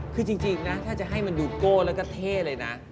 คือจริงนะถ้าจะให้มันดูโก้แล้วก็เท่เลยนะ